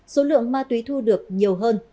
số lượng ma túy thu được nhiều hơn